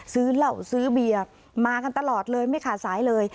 เหล่าซื้อเบียร์มากันตลอดเลยไม่ขาดสายเลย